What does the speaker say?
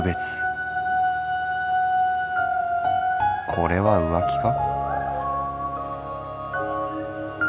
これは浮気か」。